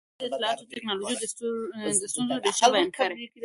ازادي راډیو د اطلاعاتی تکنالوژي د ستونزو رېښه بیان کړې.